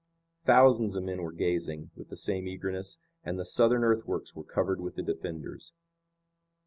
Thousands of men were gazing with the same eagerness, and the Southern earthworks were covered with the defenders.